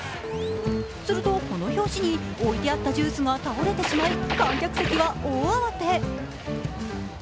すると、この拍子に置いてあったジュースが倒れてしまい観客席は大慌て。